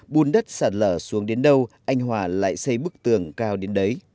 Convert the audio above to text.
bùn đất sạt lở xuống đến đâu anh hòa lại xây bức tường cao đến đấy